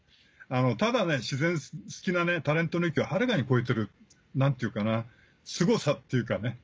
ただ自然好きなタレントの域をはるかに超えてるすごさっていうか。